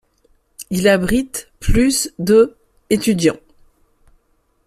Il abrite plus de étudiants.